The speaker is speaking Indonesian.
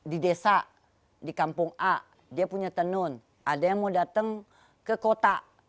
di desa di kampung a dia punya tenun ada yang mau datang ke kota